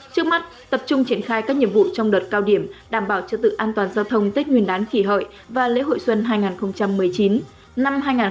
trước mắt tập trung triển khai các nhiệm vụ trong đợt cao điểm đảm bảo chất tự an toàn giao thông tích nguyên đán khỉ hợi và lễ hội xuân hai nghìn một mươi chín